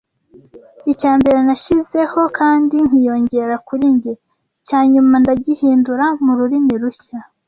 Icya mbere nashizeho kandi nkiyongera kuri njye, icya nyuma ndagihindura mu rurimi rushya.